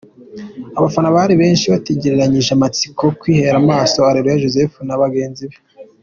Abafana bari benshi batagerezanyije amatsiko kwihera amaso Areruya Joseph na bagenzi be